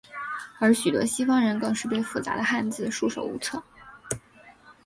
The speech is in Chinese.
而许多西方人更是对复杂的汉字束手无策。